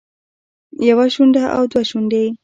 يوه شونډه او دوه شونډې